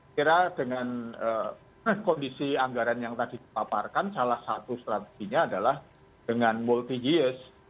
kira dengan kondisi anggaran yang tadi dipaparkan salah satu strateginya adalah dengan multi years